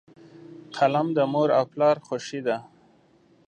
قلم د مور او پلار خوښي ده.